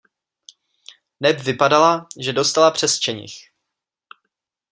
Neb vypadala, že dostala přes čenich.